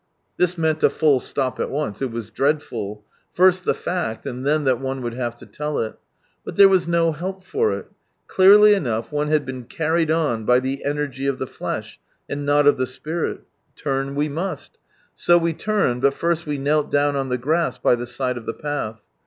This meant a full stop at once. .., It was dreadful. First the fact, and then that one would have to tell it But there was no help for it. Clearly enough, one had been carried on by the energy of the flesh, and not of the S]iiril. Turn, we must. So we turned, but first we knelt down on the grass by the side of the path.